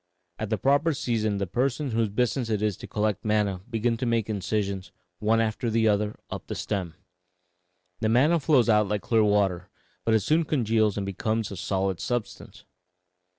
At the proper season the persons whose business it is to collect manna begin to make incisions, one after the other, up the stem. The manna flows out like clear water, but it soon congeals and becomes a solid substance.